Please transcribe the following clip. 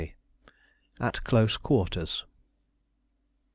AT CLOSE QUARTERS.